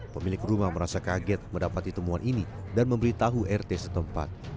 pemilik rumah merasa kaget mendapati temuan ini dan memberi tahu rt setempat